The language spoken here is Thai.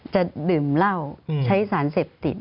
จะดื่มเหล้าใช้สารเสพติด